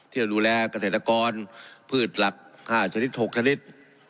ที่จะดูแลเศรษฐกรพืชหลัก๕ชนิด๖ชนิด